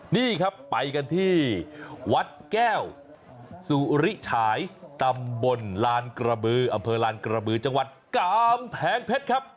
นี่ครับไปกันที่วัดแก้วสุริฉายตำบลลานกระบืออำเภอลานกระบือจังหวัดกามแพงเพชรครับ